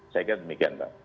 saya kira demikian pak